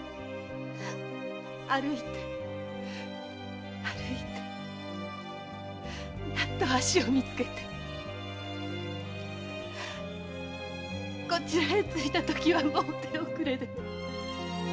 歩いて歩いてやっと橋を見つけてこちらへ着いたときはもう手遅れで！